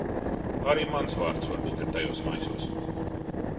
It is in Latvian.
Arī mans vārds varbūt ir tajos maisos.